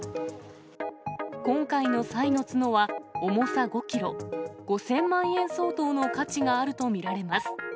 今回のサイの角は、重さ５キロ、５０００万円相当の価値があると見られます。